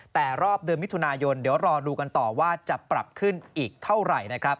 แต่รอบเดือนมิถุนายนเดี๋ยวรอดูกันต่อว่าจะปรับขึ้นอีกเท่าไหร่นะครับ